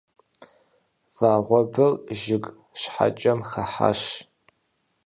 Вагъуэбэр жыг щхьэкӀэм хыхьащ.